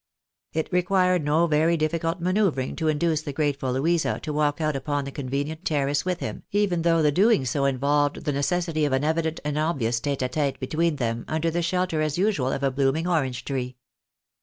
It required no very difficult raanoeuvring to induce the grateful Louisa to walk out upon the convenient terrace with him, even though the doing so involved the necessity of an evident and ob vious tete a tete between them, under the shelter as usual of a blooming orange tree.